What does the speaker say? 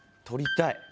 取りたい。